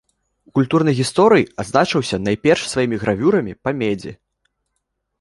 У культурнай гісторыі адзначыўся найперш сваімі гравюрамі па медзі.